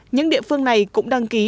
những địa phương này cũng đăng ký